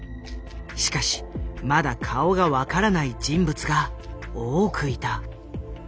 しかしまだ顔が分からない人物が多くいた。